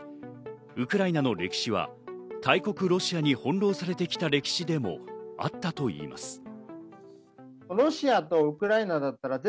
ウクライナの歴史は大国ロシアに翻弄されてきた歴史でもあったといいます。